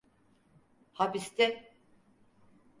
Hapiste.